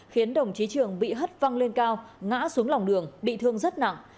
khiến đồng chí trường bị hất văng lên cao ngã xuống lòng đường bị thương rất nặng